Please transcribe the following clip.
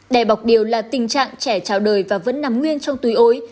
đè bọc điều là tình trạng trẻ trào đời và vẫn nằm nguyên trong túi ối